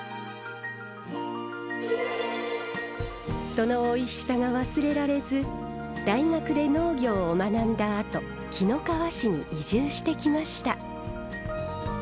そのおいしさが忘れられず大学で農業を学んだあと紀の川市に移住してきました。